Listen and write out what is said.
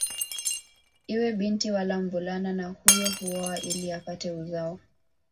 Iwe binti wala mvulana na huyu huoa ili apate uzao